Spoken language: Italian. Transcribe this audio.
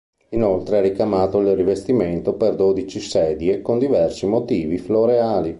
Inoltre ha ricamato il rivestimento per dodici sedie con diversi motivi floreali.